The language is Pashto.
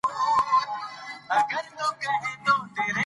د هرچا به له سفر څخه زړه شین وو